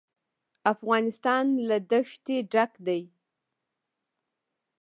افغانستان له دښتې ډک دی.